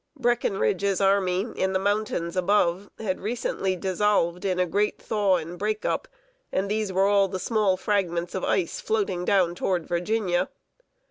Breckinridge's army, in the mountains above, had recently dissolved in a great thaw and break up, and these were the small fragments of ice floating down toward Virginia.